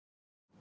あ！